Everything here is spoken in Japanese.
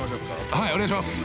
◆はい、お願いします。